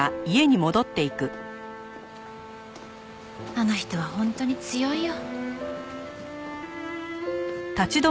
あの人は本当に強いよ。